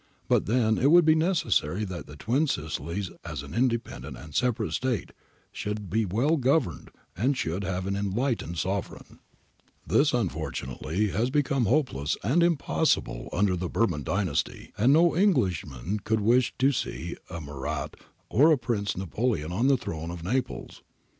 But then it APPENDIX A 311 would be necessary that the Two Sicilies as an independent and separate State should be well governed, and should have an enlightened Sovereign. This unfortunately has become hopeless and impossible under the Bourbon Dynasty, and no Englishman could wish to see a Murat or a Prince Napoleon on the Throne of Naples.